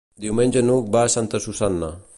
Diumenge n'Hug va a Santa Susanna.